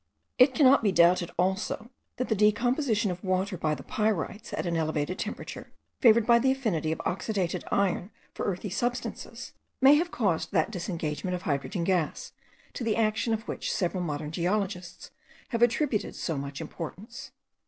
It cannot be doubted also, that the decomposition of water by the pyrites at an elevated temperature, favoured by the affinity of oxidated iron for earthy substances, may have caused that disengagement of hydrogen gas, to the action of which several modern geologists have attributed so much importance.